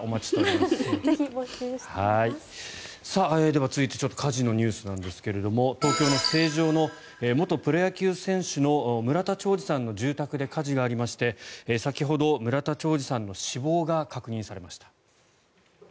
では、続いて火事のニュースなんですが東京の成城の元プロ野球選手の村田兆治さんの住宅で火事がありまして先ほど村田兆治さんの死亡が確認されました。